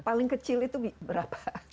paling kecil itu berapa